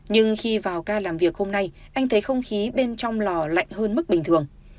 nhưng khi vào ca làm việc hôm nay anh thấy không khí bên trong lò lạnh hơn mức bình thường